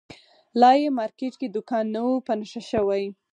لا یې مارکېټ کې دوکان نه وو په نښه شوی.